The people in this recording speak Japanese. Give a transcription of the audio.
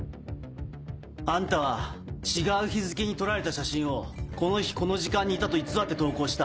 あんたは違う日付に撮られた写真をこの日この時間にいたと偽って投稿した。